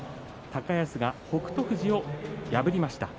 高安が北勝富士を破りました。